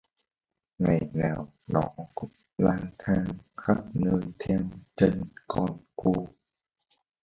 ngày nào nó cũng lang thang khắp nơi theo chân con cô